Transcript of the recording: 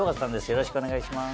よろしくお願いします。